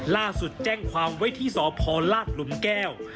ล่าสุดแจ้งความวัยที่สอพรลาดหลุมแก้ว